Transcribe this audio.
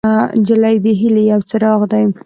نجلۍ د هیلې یو څراغ دی.